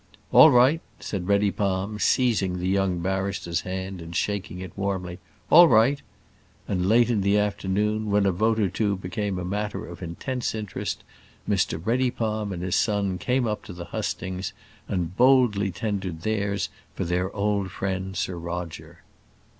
"All right!" said Reddypalm, seizing the young barrister's hand, and shaking it warmly; "all right!" And late in the afternoon when a vote or two became matter of intense interest, Mr Reddypalm and his son came up to the hustings and boldly tendered theirs for their old friend, Sir Roger.